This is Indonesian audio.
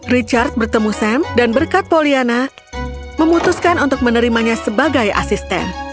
richard bertemu sam dan berkat poliana memutuskan untuk menerimanya sebagai asisten